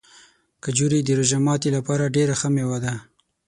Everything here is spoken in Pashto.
کجورې د روژه ماتي لپاره ډېره ښه مېوه ده.